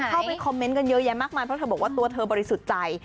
เข้าไปคอมเมนต์กันเยอะแยะมากมายเพราะเธอบอกว่าตัวเธอบริสุทธิ์ใจ